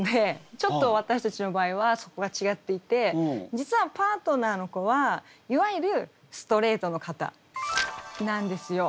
ちょっと私たちの場合はそこが違っていて実はパートナーの子はいわゆるストレートの方なんですよ。